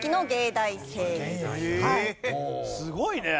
すごいね！